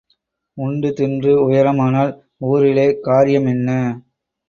உண்டு தின்று உயரமானால் ஊரிலே காரியம் என்ன?